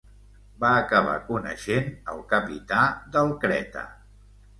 Va acabar coneixent el capità del Creta.